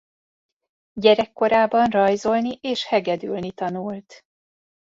Gyerekkorában rajzolni és hegedülni tanult.